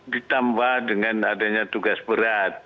ditambah dengan adanya tugas berat